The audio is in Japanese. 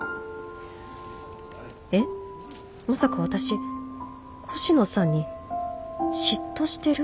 えっまさか私越乃さんに嫉妬してる？